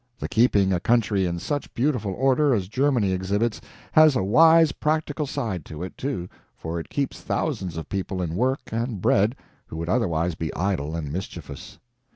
The keeping a country in such beautiful order as Germany exhibits, has a wise practical side to it, too, for it keeps thousands of people in work and bread who would otherwise be idle and mischievous.